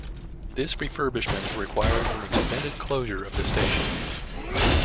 This refurbishment required an extended closure of the station.